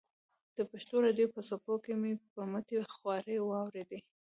د پېښور راډیو په څپو کې مې په مټې خوارۍ واورېده.